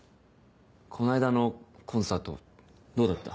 この間のコンサートどうだった？